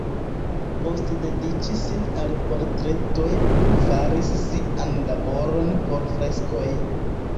Post dediĉi sin al portretoj plu faris sian laboron por freskoj.